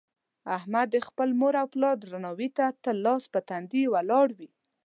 احمد د خپل مور او پلار درناوي ته تل لاس په تندي ولاړ وي.